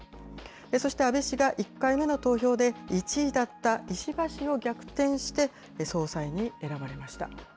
そして安倍氏が、１回目の投票で１位だった石破氏を逆転して、総裁に選ばれました。